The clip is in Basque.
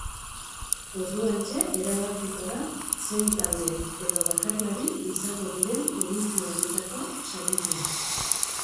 Orduantxe erabakiko da zein talde edo bakarlari izango diren edizio honetako sarituak.